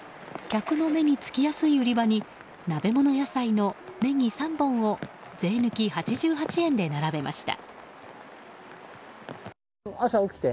客の目につきやすい売り場に鍋物野菜のネギ３本を税抜き８８円で並べました。